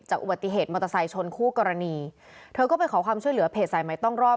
อุบัติเหตุมอเตอร์ไซค์ชนคู่กรณีเธอก็ไปขอความช่วยเหลือเพจสายใหม่ต้องรอบ